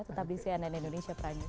tetap di cnn indonesia prime news